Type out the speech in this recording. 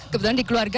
kebetulan di keluarga